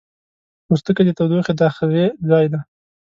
پوستکی د تودوخې د آخذې ځای دی.